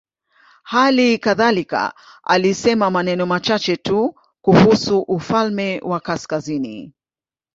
Hali kadhalika alisema maneno machache tu kuhusu ufalme wa kaskazini.